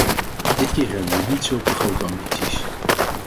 Dit keer hebben we niet zulke grote ambities.